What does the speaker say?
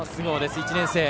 １年生。